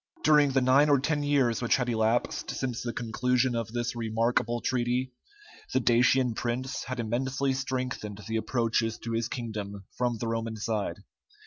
During the nine or ten years which had elapsed since the conclusion of this remarkable treaty, the Dacian prince had immensely strengthened the approaches to his kingdom from the Roman side.